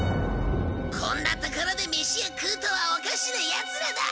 こんな所で飯を食うとはおかしなヤツらだ。